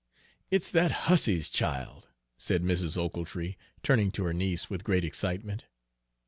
"It's that hussy's child," said Mrs. Ochiltree, turning to her niece with great excitement.